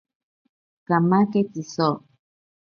Kamake tziso.